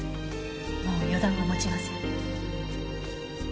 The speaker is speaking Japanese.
もう予断は持ちません。